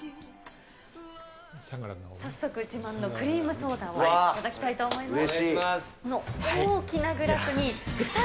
早速、自慢のクリームソーダを頂きたいと思います。